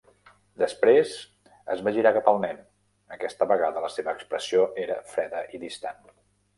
Després es va girar cap al nen: aquesta vegada la seva expressió era freda i distant.